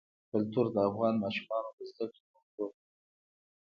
کلتور د افغان ماشومانو د زده کړې موضوع ده.